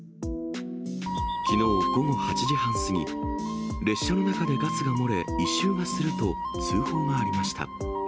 きのう午後８時半過ぎ、列車の中でガスが漏れ、異臭がすると、通報がありました。